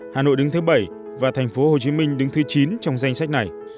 hà nội đứng thứ bảy và thành phố hồ chí minh đứng thứ chín trong danh sách này